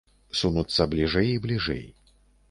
Сунуцца бліжэй і бліжэй.